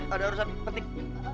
ada urusan penting